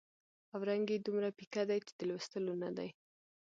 او رنګ یې دومره پیکه دی چې د لوستلو نه دی.